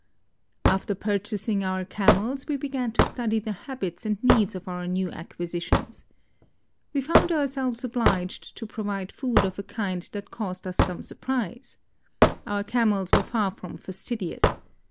After purchasing our Camels, we began to study the habits and needs of our new acquisitions. We found ourselves obliged to provide food of a kind that caused us some surprise. Our Camels were far from fastidious.